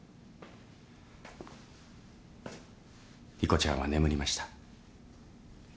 莉子ちゃんは眠りました。